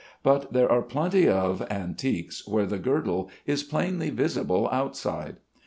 But there are plenty of antiques where the girdle is plainly visible outside.